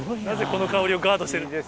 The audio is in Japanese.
なぜこの香りをガードしてる。